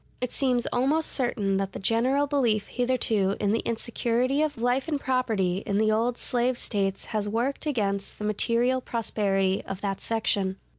It seems almost certain that the general belief hitherto in the insecurity of life and property in the old slave States has worked against the material prosperity of that section.